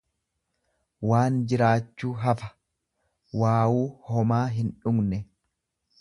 waa jiraachuu hafa, waawuu; Homaa hindhugne.